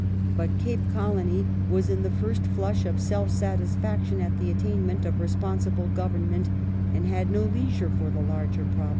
But Cape Colony was in the fii"st flush of self satisfaction at the attainment of responsible government and had no leisure for the larger problem.